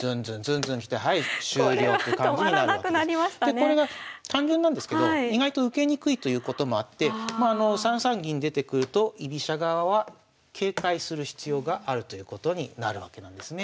これが単純なんですけど意外と受けにくいということもあって３三銀出てくると居飛車側は警戒する必要があるということになるわけなんですね。